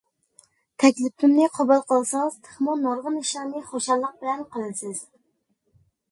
تەكلىپىمنى قوبۇل قىلسىڭىز، تېخىمۇ نۇرغۇن ئىشلارنى خۇشاللىق بىلەن قىلىسىز.